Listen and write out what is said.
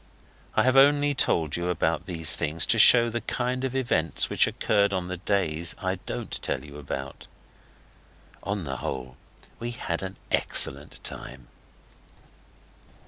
I have only told you these things to show the kind of events which occurred on the days I don't tell you about. On the whole, we had an excellent time.